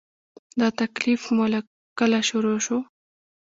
دا تکلیف مو له کله شروع شو؟